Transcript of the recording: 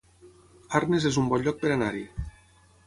Arnes es un bon lloc per anar-hi